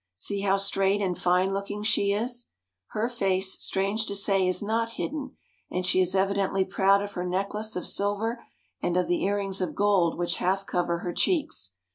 See how straight and fine looking she is ! Her face, strange to say, is not hidden ; and she is evidently proud of her necklace of silver and of the earrings of gold which half cover her cheeks.